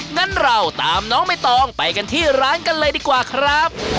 งั้นเราตามน้องใบตองไปกันที่ร้านกันเลยดีกว่าครับ